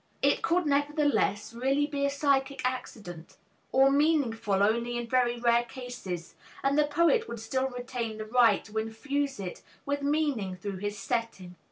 It could nevertheless really be a psychic accident, or meaningful only in very rare cases, and the poet would still retain the right to infuse it with meaning through his setting.